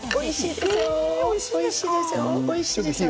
おいしいですよ。